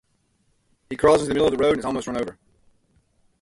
He crawls into the middle of the road and is almost run over.